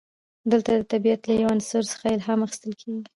دلته د طبیعت له یو عنصر څخه الهام اخیستل کیږي.